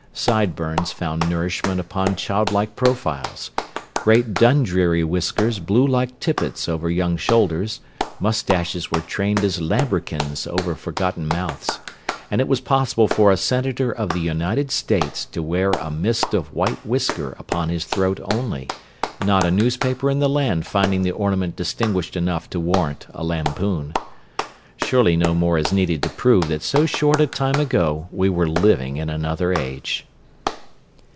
"Side burns" found nourishment upon childlike profiles; great Dundreary whiskers blew like tippets over young shoulders; moustaches were trained as lambrequins over forgotten mouths; and it was possible for a Senator of the United States to wear a mist of white whisker upon his throat only, not a newspaper in the land finding the ornament distinguished enough to warrant a lampoon. Surely no more is needed to prove that so short a time ago we were living in another age!